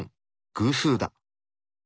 偶数だ。